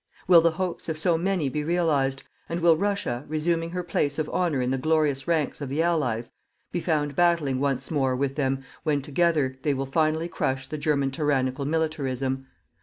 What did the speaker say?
Will the hopes of so many be realized, and will Russia, resuming her place of honour in the glorious ranks of the Allies, be found battling once more with them when together they will finally crush the German tyrannical militarism?